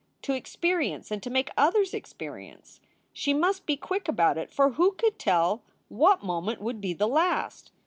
To experience and to make others experience! She must be quick about it, for who could tell what moment would be the last?